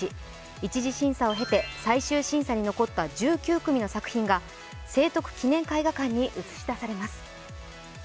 １次審査を経て最終審査に残った１９組の作品が聖徳記念絵画館に映し出されます。